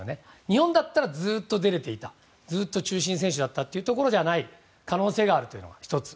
日本だったらずっと出れていたずっと中心選手だったというところじゃない可能性があるというのが１つ。